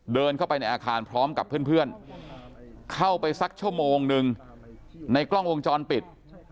เดินเข้าไปในอาคารพร้อมกับเพื่อนเข้าไปสักชั่วโมงนึงในกล้องวงจรปิด